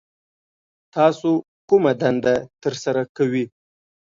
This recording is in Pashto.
تاسو کومه دنده ترسره کوي